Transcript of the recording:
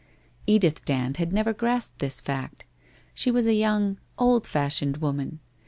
Edith Dand had never grasped this fact. She was a young, old fashioned woman.